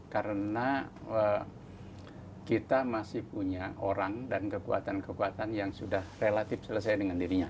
karena kita masih punya orang dan kekuatan kekuatan yang sudah relatif selesai dengan diri kita